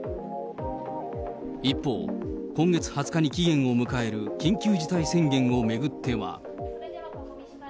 一方、今月２０日に期限を迎える緊急事態宣言を巡っては。